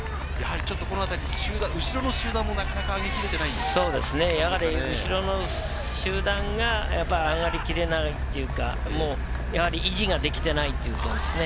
このあたり、後ろの集団もなかなか上げきれて後ろの集団が上がりきれないというか、やはり維持ができていないということですね。